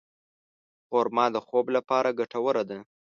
خرما د خوب لپاره ګټوره ده.